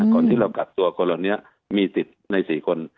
ก่อนที่เรากัดตัวคนเหล่านี้มีติดใน๔คน